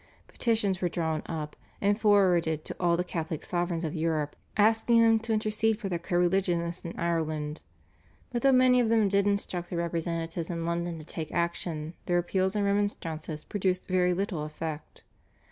Petitions were drawn up and forwarded to all the Catholic sovereigns of Europe, asking them to intercede for their co religionists in Ireland, but though many of them did instruct their representatives in London to take action, their appeals and remonstrances produced very little effect.